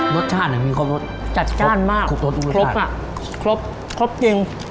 รสชาติอ่ะมีครบรสจัดจ้านมากครบอ่ะครบครบจริง